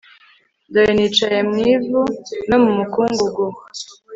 dore nicaye mu ivu no mu mukungugu